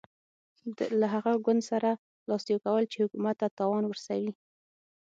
له هغه ګوند سره لاس یو کول چې حکومت ته تاوان ورسوي.